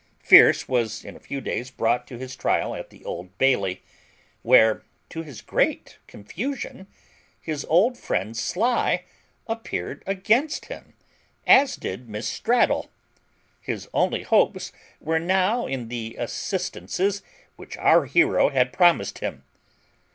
Fierce was in a few days brought to his trial at the Old Bailey, where, to his great confusion, his old friend Sly appeared against him, as did Miss Straddle. His only hopes were now in the assistances which our hero had promised him.